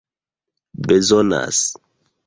bezonas